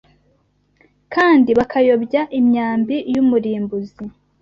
kandi bakayobya imyambi y’umurimbuzi